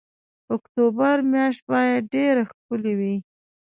اکتوبر میاشت باید ډېره ښکلې وي.